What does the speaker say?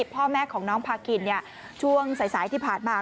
พ่อแม่ของน้องพากินช่วงสายที่ผ่านมา